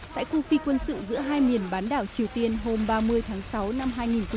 tại khu phi quân sự giữa hai miền bán đảo triều tiên hôm ba mươi tháng sáu năm hai nghìn một mươi chín